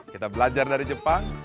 kita belajar dari jepang